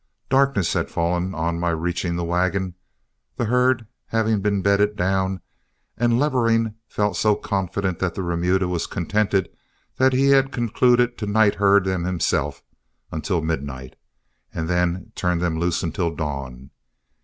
Darkness had fallen on my reaching the wagon, the herd had been bedded down, and Levering felt so confident that the remuda was contented that he had concluded to night herd them himself until midnight, and then turn them loose until dawn.